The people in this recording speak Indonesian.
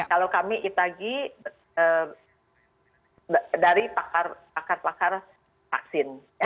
kalau kami itagi dari pakar pakar vaksin